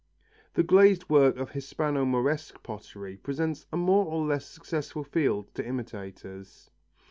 The glazed work of Hispano Moresque pottery presents a more or less successful field to imitators.